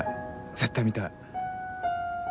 絶対見たい。